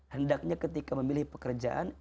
hendaknya ketika memilih pekerjaan